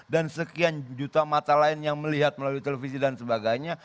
dan sekian juta mata lain yang melihat melalui televisi dan sebagainya